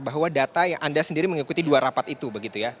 bahwa data yang anda sendiri mengikuti dua rapat itu begitu ya